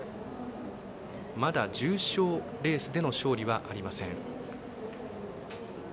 まだ重賞レースでの勝利はありません。